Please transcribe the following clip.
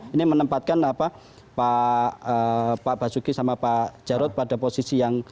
ini menempatkan pak basuki sama pak jarod pada posisi yang